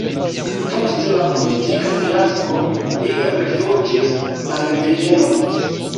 Post la politika fiasko li rifuĝis al Vieno.